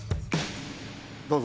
どうぞ。